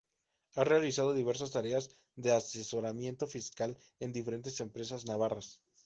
Ha realizado diversas tareas de asesoramiento fiscal en diferentes empresas navarras.